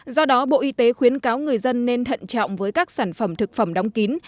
do đó bộ y tế khuyến cáo người dân nên thận trọng với các sản phẩm thực phẩm đóng kín